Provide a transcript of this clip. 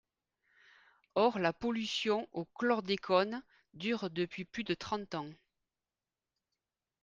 Or la pollution au chlordécone dure depuis plus de trente ans.